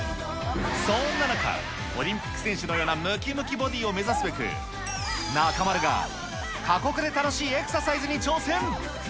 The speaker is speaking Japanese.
そんな中、オリンピック選手のようなむきむきボディーを目指すべく、中丸が過酷で楽しいエクササイズに挑戦。